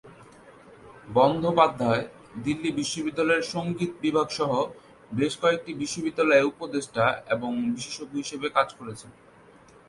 বন্দ্যোপাধ্যায় দিল্লি বিশ্ববিদ্যালয়ের সঙ্গীত বিভাগ সহ বেশ কয়েকটি বিশ্ববিদ্যালয়ে উপদেষ্টা এবং বিশেষজ্ঞ হিসাবে কাজ করছেন।